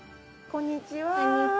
こんにちは。